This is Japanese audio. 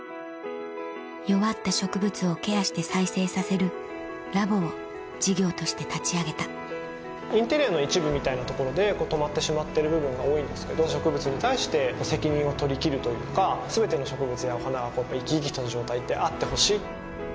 弱った植物をケアして再生させるラボを事業として立ち上げたインテリアの一部みたいなところで止まってしまってる部分が多いんですけど植物に対して責任を取りきるというか全ての植物やお花は生き生きとした状態であってほしい。